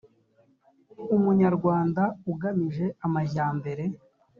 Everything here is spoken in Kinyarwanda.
umunyarwanda ugamije amajyambere